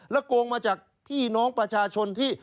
โกงมาจากพี่น้องประชาชนที่